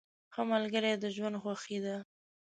ښه ملګري د ژوند خوښي ده.